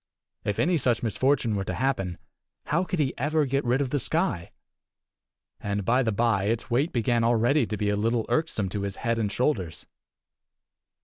If any such misfortune were to happen, how could he ever get rid of the sky? And, by the by, its weight began already to be a little irksome to his head and shoulders.